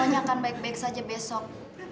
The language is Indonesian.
semuanya akan baik baik saja besok